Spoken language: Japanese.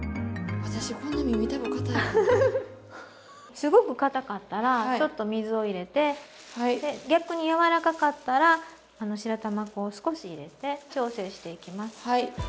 すごくかたかったらちょっと水を入れて逆に柔らかかったら白玉粉を少し入れて調整していきます。